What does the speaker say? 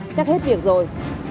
chắc hết việc rồi